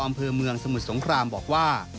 อำเภอเมืองสมุทรสงครามบอกว่า